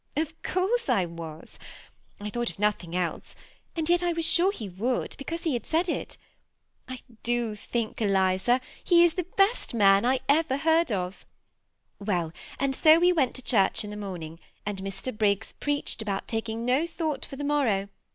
^ Of course I was. I thought of nothing else ; and yet I was sure he would, because he had said it. I do think, Eliza, he is the best man I ever heard of. Well, and so we went to church in the morning, and Mr. Briggs preached about taking no thought for the mor row.